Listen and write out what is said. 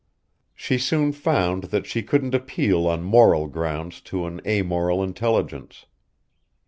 She soon found that she couldn't appeal on moral grounds to an a moral intelligence.